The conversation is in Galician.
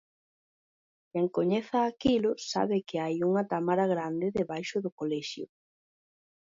Quen coñeza aquilo, sabe que hai unha támara grande debaixo do colexio.